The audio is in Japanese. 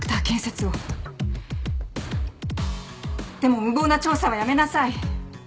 でも無謀な調査はやめなさい。